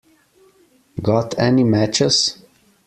Got any matches?